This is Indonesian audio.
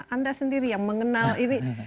anda sendiri yang mengenal ini